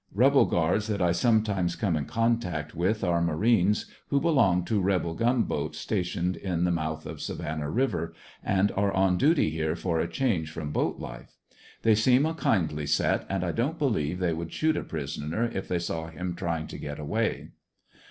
Rebel guards that I sometimes come in contact with are marines who belong to rebel gunboats stationed in the mouth of Savannah ANDER80NVILLE BIAEY. 105 River and are on duty here for a change from boat life. They seem a kindly set, and I don't belive they would shoot a prisoner if they saw him trying to get away.